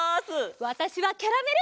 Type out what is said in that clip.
わたしはキャラメル。